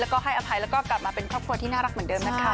แล้วก็ให้อภัยแล้วก็กลับมาเป็นครอบครัวที่น่ารักเหมือนเดิมนะคะ